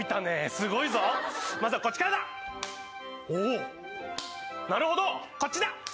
すごいぞまずはこっちからだおおーなるほどこっちだ